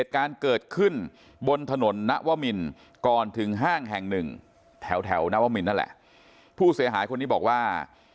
ร่างแห่งหนึ่งแถวนาวมินทร์นั่นแหละผู้เสียหายคนนี้บอกว่า